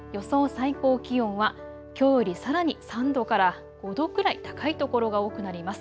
最高気温はきょうよりさらに３度から５度くらい高い所が多くなります。